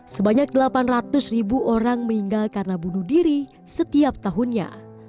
sebanyak delapan ratus ribu orang meninggal karena bunuh diri setiap tahunnya